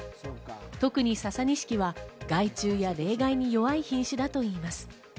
特にササニシキは害虫や冷害に弱い品種だといいます。